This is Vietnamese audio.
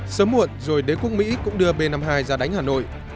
sớm muộn rồi đế quốc mỹ cũng đưa b năm mươi hai ra đánh hà nội